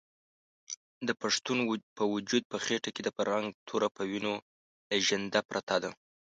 د پښتون وجود په خېټه کې د فرنګ توره په وینو لژنده پرته ده.